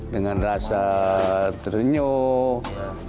dengan rasa ternyok